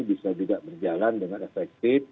bisa juga berjalan dengan efektif